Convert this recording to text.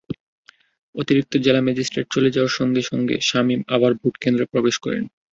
অতিরিক্ত জেলা ম্যাজিস্ট্রেট চলে যাওয়ার সঙ্গে সঙ্গে শামীম আবার ভোটকেন্দ্রে প্রবেশ করেন।